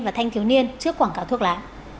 và thanh thiếu niên trước quảng cáo thuốc lá